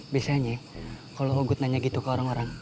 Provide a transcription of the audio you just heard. biasanya kalau hogod nanya gitu ke orang orang